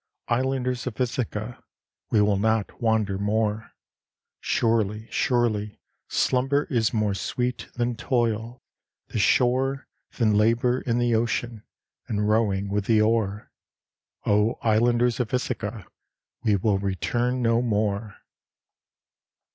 islanders of Ithaca, we will not wander more, Surely, surely, slumber is more sweet than toil, the shore Than labour in the ocean, and rowing with the oar, Oh! islanders of Ithaca, we will return no more.